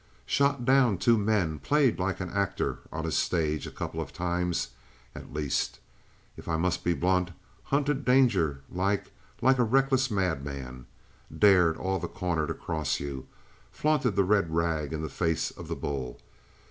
"Shot down two men; played like an actor on a stage a couple of times at least, if I must be blunt; hunted danger like like a reckless madman; dared all The Corner to cross you; flaunted the red rag in the face of the bull.